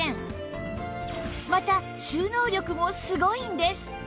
また収納力もすごいんです